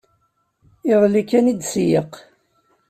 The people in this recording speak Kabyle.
Iḍelli kan i d-tseyyeq.